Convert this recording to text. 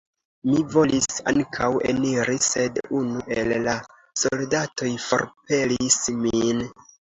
Mi volis ankaŭ eniri, sed unu el la soldatoj forpelis min.